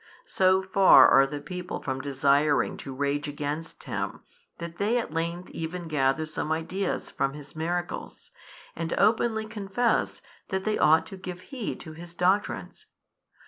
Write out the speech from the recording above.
So far are the people from desiring to rage against Him, that they at length even gather some ideas from His miracles, and openly confess that they ought to give heed to His doctrines.